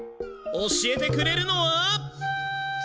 教えてくれるのは。